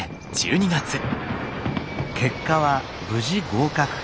結果は無事合格。